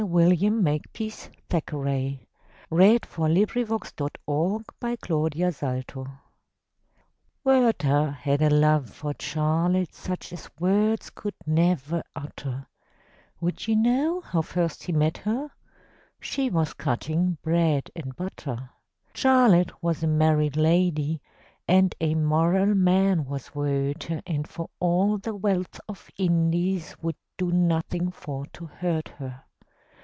William Makepeace Thackeray The Sorrows of Werther WERTHER had a love for Charlotte Such as words could never utter; Would you know how first he met her? She was cutting bread and butter. Charlotte was a married lady, And a moral man was Werther, And for all the wealth of Indies, Would do nothing for to hurt her.